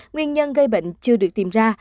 nguyên nhân gây bệnh chưa được tìm ra